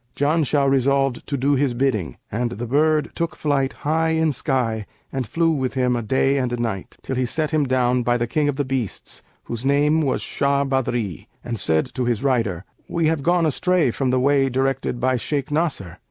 Janshah resolved to do his bidding and the bird took flight high in sky and flew with him a day and a night, till he set him down by the King of the Beasts, whose name was Shαh Badrν, and said to his rider, 'We have gone astray from the way directed by Shaykh Nasr.'